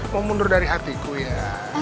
mau mundur dari hatiku ya